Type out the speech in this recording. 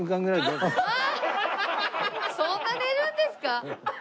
そんな寝るんですか！？